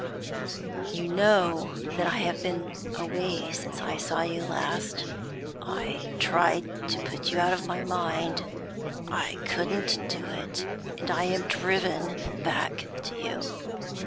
'You know that I have been away since I saw you last. I tried to put you out of my mind. I couldn't do it, and I am driven back to you.'